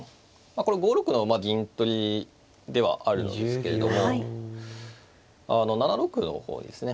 これ５六の銀取りではあるのですけれども７六の方にですね